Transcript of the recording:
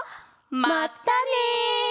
まったね！